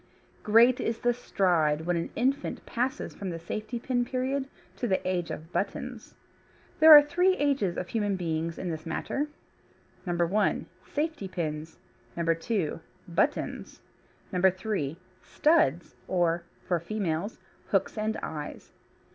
Great is the stride when an infant passes from the safety pin period to the age of buttons. There are three ages of human beings in this matter: (1) Safety pins, (2) Buttons, (3) Studs, or (for females) Hooks and Eyes.